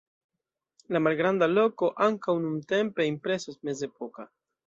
La malgranda loko ankaŭ nuntempe impresas mezepoka.